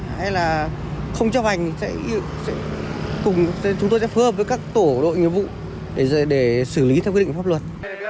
hay là không chấp hành thì chúng tôi sẽ phương hợp với các tổ đội nhiệm vụ để xử lý theo quy định pháp luật